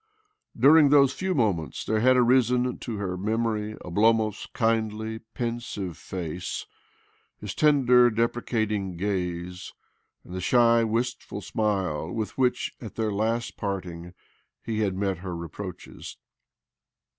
During OBLOMOV 269 those few moments there had arisen to her memory Oblomov's kindly, pensive face, his tender, deprecating gaze, and the shy, wistful smile with which, at their last parting, he had met her reproaches.